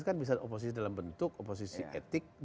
kan bisa oposisi dalam bentuk oposisi etik